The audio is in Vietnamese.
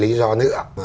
lý do nữa